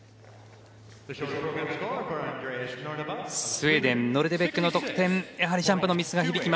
スウェーデンノルデベックの得点やはりジャンプのミスが響きます。